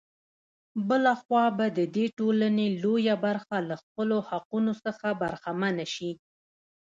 بـله خـوا بـه د دې ټـولـنې لـويه بـرخـه لـه خپـلـو حـقـونـو څـخـه بـرخـمـنـه شـي.